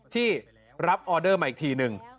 ที่รับออเดอร์มาอีกทีหนึ่ง